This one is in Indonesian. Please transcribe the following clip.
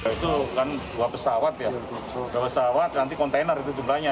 itu kan dua pesawat ya dua pesawat nanti kontainer itu jumlahnya